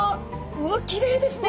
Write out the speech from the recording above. うわきれいですね。